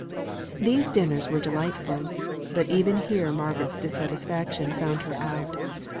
These dinners were delightful; but even here Margaret's dissatisfaction found her out.